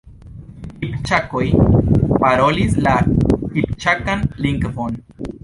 Kipĉakoj parolis la kipĉakan lingvon.